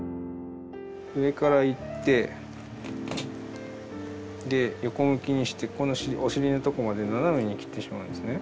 上からいってで横向きにしてこのお尻のとこまで斜めに切ってしまうんですね。